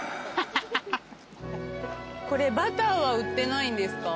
これバターは売ってないんですか？